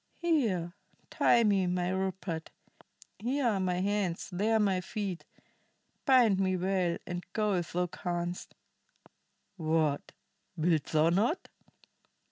"Here, tie me, my Rupert. Here are my hands; there my feet. Bind me well, and go if thou canst. What, wilt thou not?